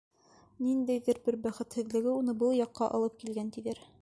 Ниндәйҙер бер бәхетһеҙлеге уны был яҡҡа алып килгән, тиҙәр.